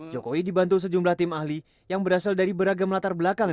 jokowi dibantu sejumlah tim ahli yang berasal dari beragam latar belakang